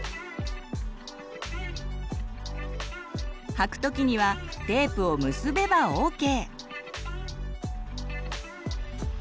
はく時にはテープを結べばＯＫ！